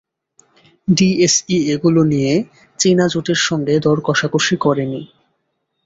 DSE এগুলো নিয়ে চীনা জোটের সঙ্গে দর কষাকষি করেনি।